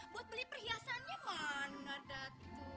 buat beli perhiasannya mana adat